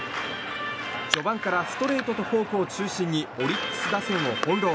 序盤からストレートとフォークを中心にオリックス打線を翻弄。